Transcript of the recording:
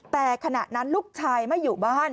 แต่ขณะนั้นลูกชายไม่อยู่บ้าน